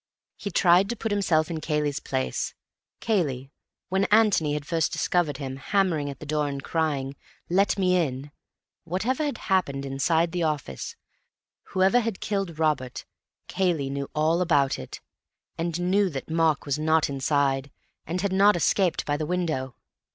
He tried to put himself in Cayley's place—Cayley, when Antony had first discovered him, hammering at the door and crying, "Let me in!" Whatever had happened inside the office, whoever had killed Robert, Cayley knew all about it, and knew that Mark was not inside, and had not escaped by the window.